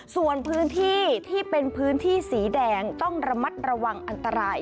ส่วนพื้นที่ที่เป็นพื้นที่สีแดงต้องระมัดระวังอันตราย